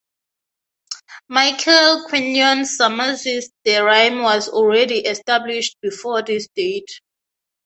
Michael Quinion surmises the rhyme was already established before this date.